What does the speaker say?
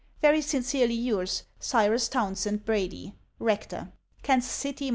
Very sincerely yours, Cyrus Townsend Brady, Rector, Kansas City, Mo.